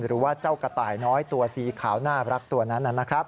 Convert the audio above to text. หรือว่าเจ้ากระต่ายน้อยตัวสีขาวน่ารักตัวนั้นนะครับ